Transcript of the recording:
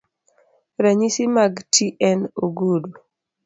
Ranyisi mag ti en ogudu .